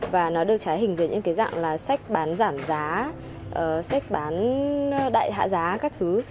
và nó được trái hình dưới những cái dạng là sách bán giảm giá sách bán đại hạ giá các thứ